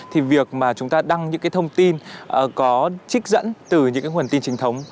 thì việc mà chúng ta đăng những cái thông tin có trích dẫn từ những cái nguồn tin chính thống